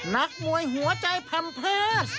นักมวยหัวใจพันธุ์เพ้อ